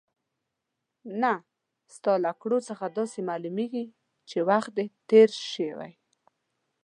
نه، ستا له کړو څخه داسې معلومېږي چې وخت دې تېر شوی.